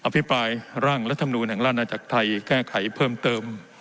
ภิปรายร่างรัฐมนูลแห่งราชนาจักรไทยแก้ไขเพิ่มเติม